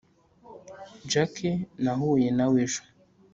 Jack nahuye nawe ejo